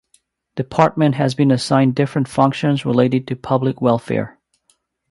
Department has been assigned different functions related to public welfare.